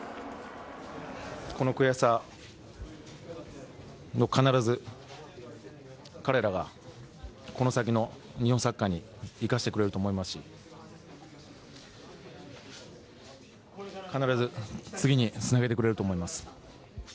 この悔しさ、必ず彼らがこの先の日本サッカーに生かしてくれると思いますし、必ず次につなげてくれると思います。